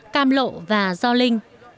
cam lộ và do linh